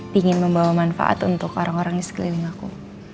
ingin membawa manfaat untuk orang orang di sekeliling aku